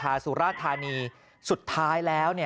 ตอนนี้ขอเอาผิดถึงที่สุดยืนยันแบบนี้